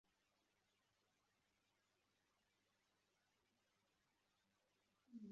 Umugabo usa nuburakari yitwaza kuniga mugenzi we wumugore